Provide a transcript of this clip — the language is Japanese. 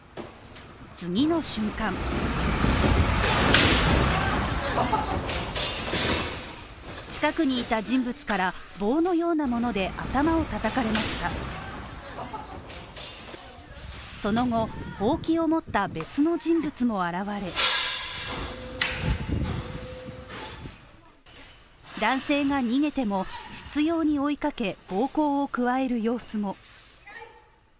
次の瞬間近くにいた人物から棒のようなもので頭を叩かれましたその後ほうきを持った別の人物も現れ男性が逃げても執ように追いかけ、暴行を加える様子も。